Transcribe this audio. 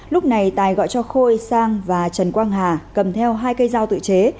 lúc này tài gọi cho khôi sang và trần quang hà cầm theo hai cây dao tự chế